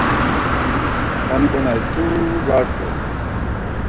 Skani ǩonari rt̆u va rt̆u...